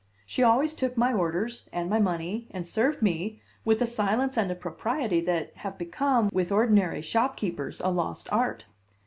She always took my orders, and my money, and served me, with a silence and a propriety that have become, with ordinary shopkeepers, a lost art.